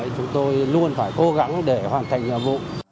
chúng tôi luôn phải cố gắng để hoàn thành nhiệm vụ